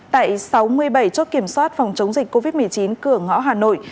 tại sáu mươi bảy chốt kiểm soát phòng chống dịch covid một mươi chín cửa ngõ hà nội